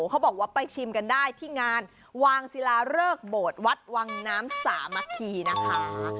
เขาบอกว่าไปชิมกันได้ที่งานวางศิลาเริกโบสถ์วัดวังน้ำสามัคคีนะคะ